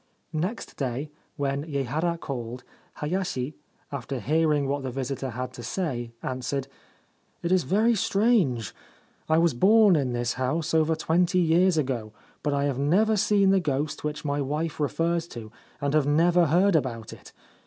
Next day, when Yehara called, Hayashi, after hearing what the visitor had to say, answered :' It is very strange. I was born in this house over twenty years ago ; but I have never seen the ghost which my wife refers to, and have never heard about it.